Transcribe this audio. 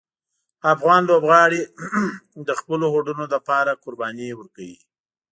افغان لوبغاړي د خپلو هوډونو لپاره قربانۍ ورکوي.